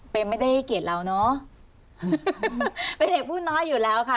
เป็นไม่ได้ให้เกียรติเราเนอะเป็นเด็กผู้น้อยอยู่แล้วค่ะ